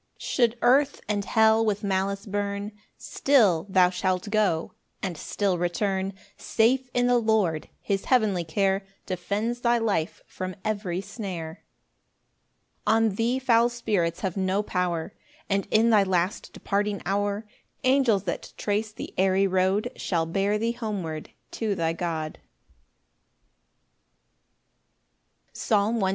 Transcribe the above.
6 Should earth and hell with malice burn, Still thou shalt go and still return Safe in the Lord his heavenly care Defends thy life from every snare. 7 On thee foul spirits have no power; And in thy last departing hour Angels, that trace the airy road, Shall bear thee homeward to thy God. Psalm 121:2.